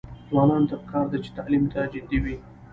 ځوانانو ته پکار ده چې، تعلیم ته جدي وي.